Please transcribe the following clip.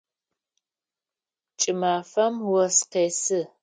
Кӏымафэм ос къесы.